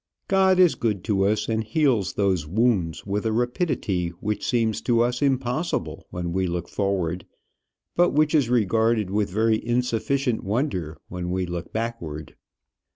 God is good to us, and heals those wounds with a rapidity which seems to us impossible when we look forward, but which is regarded with very insufficient wonder when we look backward.